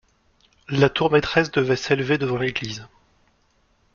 La tour maitresse devait s'élever devant l'église.